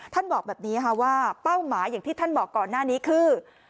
บอกแบบนี้ค่ะว่าเป้าหมายอย่างที่ท่านบอกก่อนหน้านี้คือ